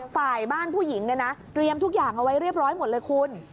ฝ่ายบ้านผู้หญิงเนี่ยนะเตรียมทุกอย่างเอาไว้เรียบร้อยหมดเลยคุณ